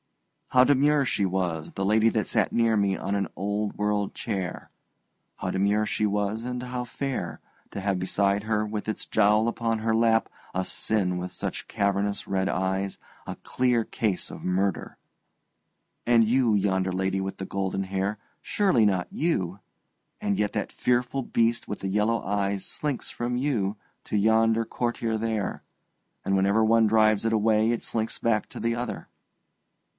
How demure she was, the lady that sat near me on an old world chair how demure she was, and how fair, to have beside her with its jowl upon her lap a sin with such cavernous red eyes, a clear case of murder. And you, yonder lady with the golden hair, surely not you and yet that fearful beast with the yellow eyes slinks from you to yonder courtier there, and whenever one drives it away it slinks back to the other.